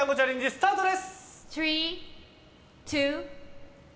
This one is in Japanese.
スタートです。